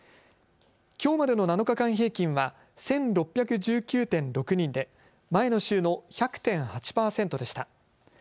きょうまでの７日間平均は１６１９．６人で前の週の１００．８％でした。